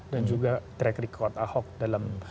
dan juga track record ahok dalam